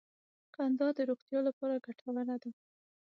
• خندا د روغتیا لپاره ګټوره ده.